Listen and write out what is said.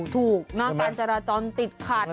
ถูกนะการจราตรอนติดขัด